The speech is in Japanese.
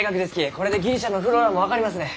これでギリシャのｆｌｏｒａも分かりますね。